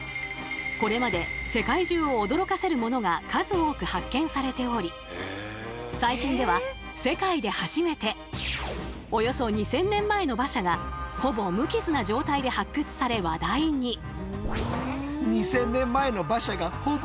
これまで世界中を驚かせるものが数多く発見されており最近では世界で初めておよそ２，０００年前の馬車がほぼ無傷な状態で発掘され話題に。